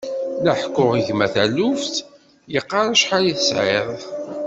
La ḥekkuɣ i gma taluft, yeqqar acḥal i tesɛiḍ.